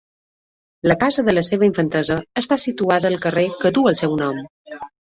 La casa de la seva infantesa està situada al carrer que duu el seu nom.